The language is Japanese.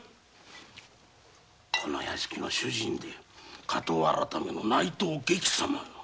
この屋敷の主人で火盗改めの内藤外記様よ。